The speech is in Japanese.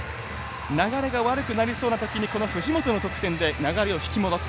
流れが悪くなりそうなときに藤本の得点で流れを引き戻す。